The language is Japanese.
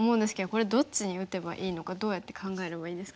これどっちに打てばいいのかどうやって考えればいいですか？